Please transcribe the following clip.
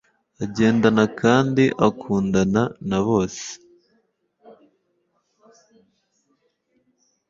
agendana kandi akundana na bose